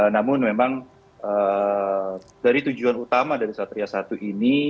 namun memang dari tujuan utama dari satria satu ini